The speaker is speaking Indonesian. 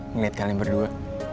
ngeliat kalian berdua